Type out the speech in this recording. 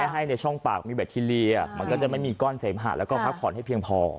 ให้ในช่องปากมีแบคทีเรียมันก็จะไม่มีก้อนเสมหะแล้วก็พักผ่อนให้เพียงพอ